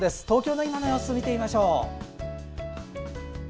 東京の今の様子を見てみましょう。